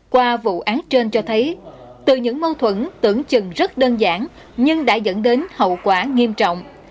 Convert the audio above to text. qua vụ án trên cho thấy từ những mâu thuẫn tưởng chừng rất đơn giản nhưng đã dẫn đến hậu quả nghiêm trọng